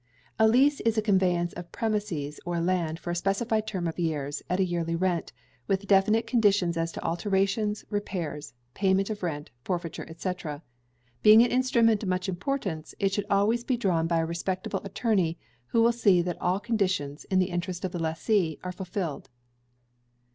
A lease is a conveyance of premises or lands for a specified term of years, at a yearly rent, with definite conditions as to alterations, repairs, payment of rent, forfeiture, &c. Being an instrument of much importance, it should always be drawn by a respectable attorney, who will see that all the conditions, in the interest of the lessee, are fulfilled.